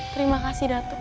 terima kasih datuk